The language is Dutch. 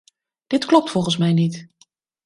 Dit klopt volgens mij niet.